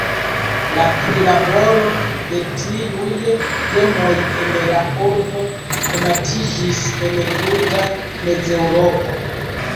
La prilaboro de tiuj gemoj en la urbo konatiĝis en tuta Mezeŭropo.